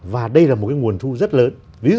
và đây là một cái nguồn thu rất lớn